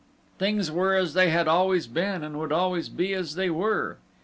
Things were as they had always been and would always be as they were.